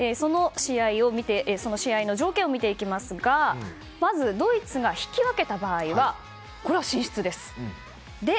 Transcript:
その試合の条件を見ていきますがまず、ドイツが引き分けた場合は進出です。